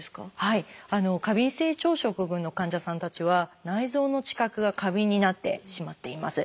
過敏性腸症候群の患者さんたちは内臓の知覚が過敏になってしまっています。